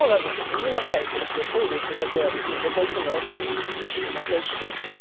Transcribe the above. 自分の部屋行くだけトイレ行くだけやのに「どこ行くの？」って毎回聞くんで。